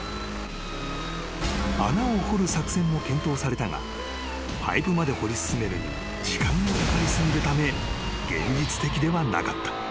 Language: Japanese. ［穴を掘る作戦も検討されたがパイプまで掘り進めるには時間がかかり過ぎるため現実的ではなかった］